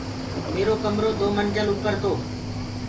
ميرو ڪمرو دو منجل اوپر تو